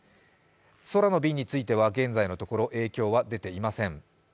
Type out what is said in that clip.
空の便については現在のところ影響は出ていません。